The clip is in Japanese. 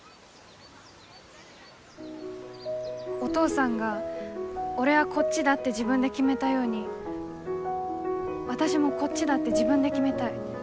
お父さんが俺はこっちだって自分で決めたように私もこっちだって自分で決めたい。